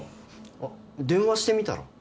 あっ電話してみたら？